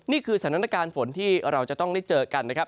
นี่คือสถานการณ์ฝนที่เราจะต้องได้เจอกันนะครับ